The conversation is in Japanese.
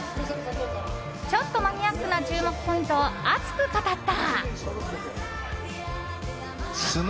ちょっとマニアックな注目ポイントを熱く語った。